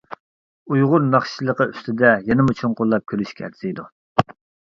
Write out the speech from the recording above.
ئۇيغۇر ناخشىچىلىقى ئۈستىدە يەنىمۇ چوڭقۇرلاپ كۆرۈشكە ئەرزىيدۇ.